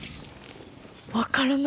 分からないです。